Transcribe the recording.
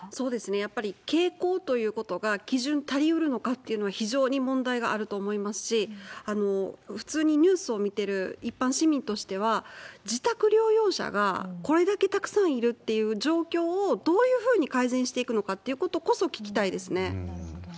やっぱり傾向ということが基準足りうるのかっていうのは、非常に問題があると思いますし、普通にニュースを見てる一般市民としては、自宅療養者がこれだけたくさんいるっていう状況をどういうふうに改善していくのかっていうことこそ聞きたいですね。